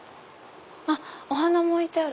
あっお花も置いてある！